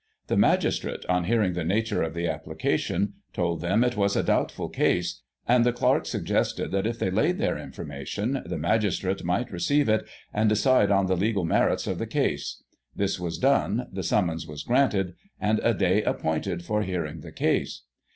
The magistrate, on hearing the nature of the application, told them it was a doubtful case, and the clerk suggested that if they laid their information the magis trate might receive it, and decide on the legal merits of the case. This was done, the summons was granted, and a day appointed for hearing the case.